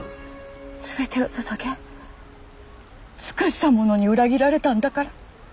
全てを捧げ尽くしたものに裏切られたんだから。